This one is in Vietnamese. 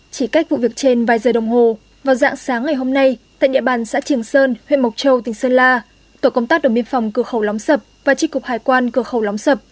chỉ cách vụ việc trên vài giờ đồng hồ vào dạng sáng ngày hôm nay tại địa bàn xã trường sơn huyện mộc châu tỉnh sơn la tổ công tác đồng biên phòng cửa khẩu lóng sập và tri cục hải quan cửa khẩu lóng sập